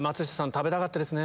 食べたかったですね。